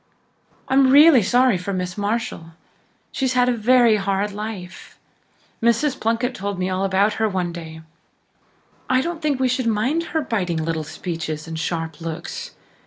I'm really sorry for Miss Marshall. She's had a very hard life. Mrs. Plunkett told me all about her one day. I don't think we should mind her biting little speeches and sharp looks.